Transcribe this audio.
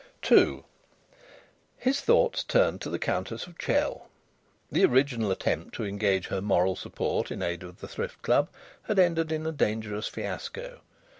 II His thoughts turned to the Countess of Chell. The original attempt to engage her moral support in aid of the Thrift Club had ended in a dangerous fiasco.